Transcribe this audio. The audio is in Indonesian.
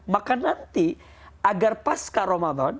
maka nanti agar pasca ramadan